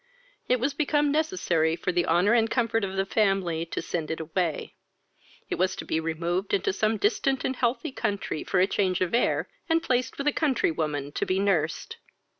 It was become necessary for the honour and comfort of the family to send it away: it was to be removed into some distant and healthy country for change of air, and placed with a country woman to be nursed.